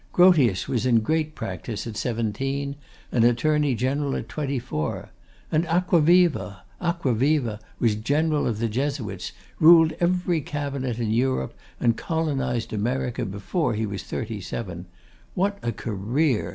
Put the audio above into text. Grotius was in great practice at seventeen, and Attorney General at twenty four. And Acquaviva; Acquaviva was General of the Jesuits, ruled every cabinet in Europe, and colonised America before he was thirty seven. What a career!